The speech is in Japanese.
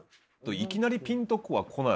いきなりピンとは来ない。